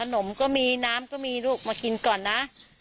นี่ค่ะ